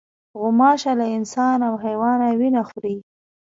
غوماشه له انسان او حیوانه وینه خوري.